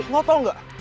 lo tau ga